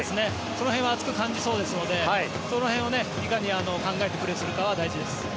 その辺は暑く感じそうですのでその辺をいかに考えてプレーするかは大事ですね。